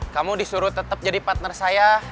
kamu disuruh tetap jadi partner saya